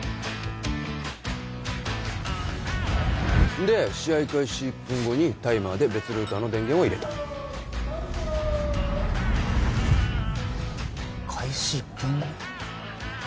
んで試合開始１分後にタイマーで別ルーターの電源を入れた開始１分後？